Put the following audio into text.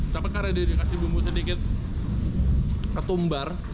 tapi karena diberikan sedikit bumbu ketumbar